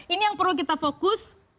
ini yang perlu kita fokus